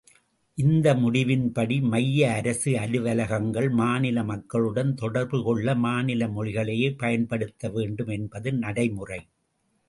இந்த முடிவின்படி மைய அரசு அலுவலகங்கள் மாநில மக்களுடன் தொடர்புகொள்ள மாநில மொழிகளையே பயன்படுத்த வேண்டும் என்பது நடைமுறை!